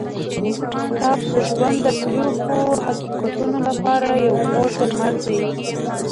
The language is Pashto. کتاب د ژوند د تریخو حقیقتونو لپاره یو خوږ درمل دی.